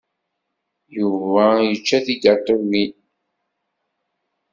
Yuba yečča tigaṭiwin.